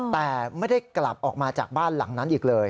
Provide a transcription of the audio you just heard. แต่ไม่ได้กลับออกมาจากบ้านหลังนั้นอีกเลย